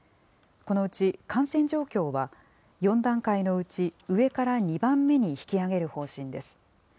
このうち、感染状況は４段階のうち上から２番目に引き上げる方針です。